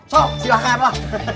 sok silakan lah